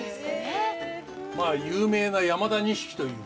まあ有名な山田錦という。